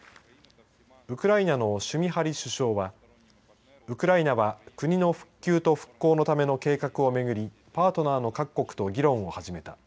ウクライナのシュミハリ首相はウクライナは国の復旧と復興のための計画を巡りパートナーの各国と議論を始めた。